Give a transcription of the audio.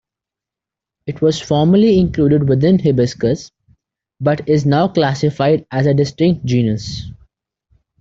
It was formerly included within "Hibiscus", but is now classified as a distinct genus.